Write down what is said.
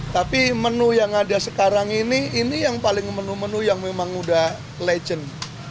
tapi menu yang ada sekarang ini ini yang paling menu menu yang memang udah legend